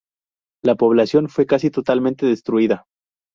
La población fue casi totalmente destruida.